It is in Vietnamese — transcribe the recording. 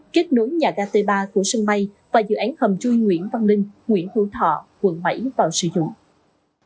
kết nối nhà ga t ba của sân bay và dự án hầm chui nguyễn văn linh nguyễn hữu thọ quận bảy vào sử dụng